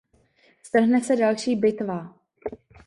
Strhne se další bitva.